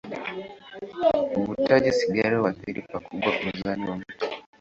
Uvutaji sigara huathiri pakubwa uzani wa mtu.